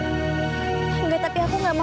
enggak tapi aku gak mau